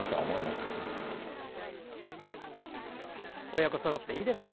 親子そろっていいですね。